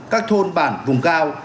các thôn bản vùng cao